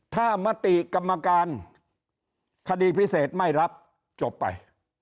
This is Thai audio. ถ้ามติกรรมการคดีพิเศษไม่รับจบไป